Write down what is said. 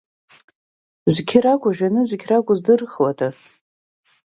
Зқьы ракәу жәанызқь ракәу здырхуада.